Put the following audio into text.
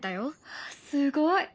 すごい！